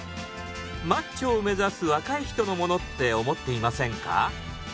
マッチョを目指す若い人のものって思っていませんか？